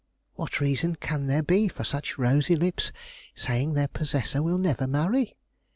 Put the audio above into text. What reason can there be for such rosy lips saying their possessor will never marry?"